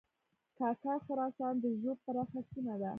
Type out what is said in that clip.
کاکړ خراسان د ږوب پراخه سیمه ده